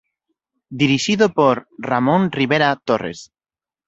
Dirixido por Ramón Rivera Torres.